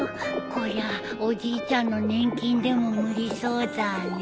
こりゃおじいちゃんの年金でも無理そうだね